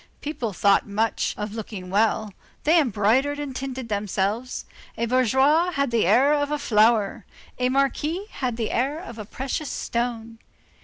People thought much of looking well. They embroidered and tinted themselves. A bourgeois had the air of a flower, a Marquis had the air of a precious stone.